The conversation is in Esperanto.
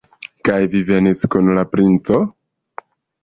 Kaj vi venis kun la princo?